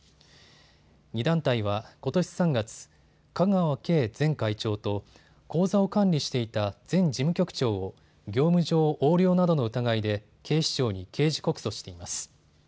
２団体はことし３月、香川敬前会長と口座を管理していた前事務局長を業務上横領などの疑いで警視庁に刑事告訴しています。